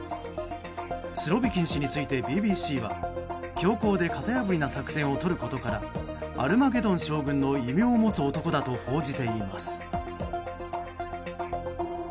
スロビキン氏についてＢＢＣは強硬で型破りな作戦をとることからアルマゲドン将軍の異名を持つ男だと報じています。